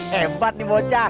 hebat nih bocah